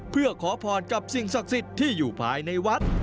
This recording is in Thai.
เพื่อขอพรกับสิ่งศักดิ์สิทธิ์ที่อยู่ภายในวัด